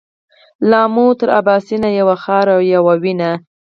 له امو تر اباسينه يوه خاوره يوه وينه.